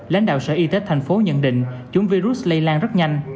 lãnh đạo sở y tế tp hcm nhận định chúng virus lây lan rất nhanh